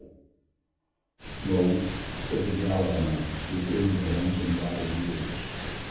'tis a gala night Within the lonesome latter years!